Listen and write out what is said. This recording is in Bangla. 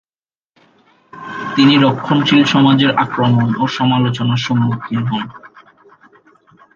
তিনি রক্ষণশীল সমাজের আক্রমণ ও সমালোচনার সম্মুখীন হন।